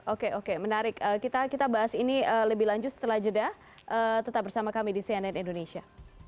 oke oke menarik kita bahas ini lebih lanjut setelah jeda tetap bersama kami di cnn indonesia